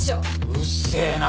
うっせえな。